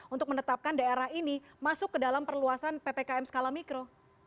untuk menetapkan daerah ini masuk ke dalam perluasan ppkm skala mikro